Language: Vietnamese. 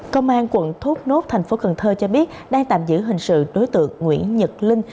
công an quận thốt nốt thành phố cần thơ cho biết đang tạm giữ hình sự đối tượng nguyễn nhật linh